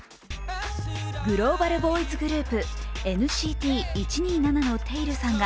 グローバルボーイズグループ、ＮＣＴ１２７のテイルさんが